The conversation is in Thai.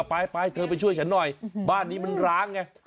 ไปเธอไปช่วยฉันหน่อยบ้านนี้มันร้างไง